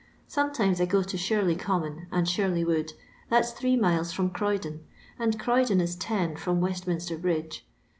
Sometimes I go to Shirley Common and Shirley Wood, that 's thns miles from Croydon, and Croydon is ten from Westminster bridge.